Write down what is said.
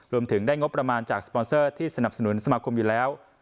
รวมถึงได้งบประมาณจากสปอนเซอร์ที่สนับสนุนสมาคมอยู่แล้ว